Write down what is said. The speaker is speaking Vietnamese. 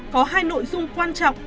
có hai nội dung quan trọng